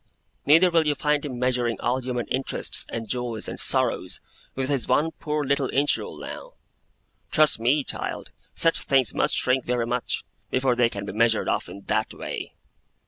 Neither will you find him measuring all human interests, and joys, and sorrows, with his one poor little inch rule now. Trust me, child, such things must shrink very much, before they can be measured off in that way.